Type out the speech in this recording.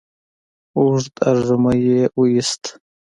اوږد ارږمی يې وايست،